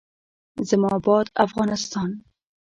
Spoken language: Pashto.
زما اباد افغانستان.